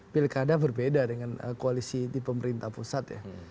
pilkada berbeda dengan koalisi di pemerintah pusat ya